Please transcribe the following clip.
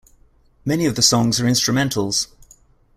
Many of the songs are instrumentals.